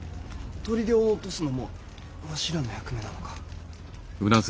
砦を落とすのもわしらの役目なのか？